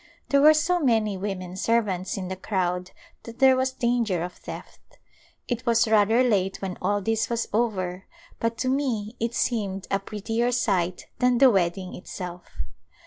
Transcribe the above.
There were so many women servants in the crowd that there was danger of theft. It was rather late when all this was over, but to me it seemed a prettier sight than the weddmg itself.